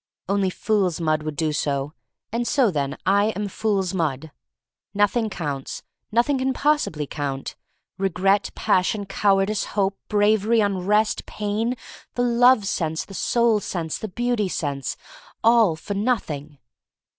Only fool's mud would do so. And'so, then, I am fool's mud. Nothing counts. Nothing can pos sibly count. Regret, passion, cowardice, hope, bravery, unrest, pain, the love sense, the soul sense, the beauty sense — all for nothing!